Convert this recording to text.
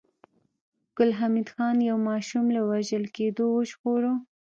ګل حمید خان يو ماشوم له وژل کېدو وژغوره